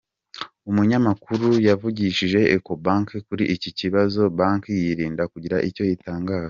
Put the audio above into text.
Umunyamakuru yavugishije Ecobank kuri iki kibazo banki yirinda kugira icyo itangaza.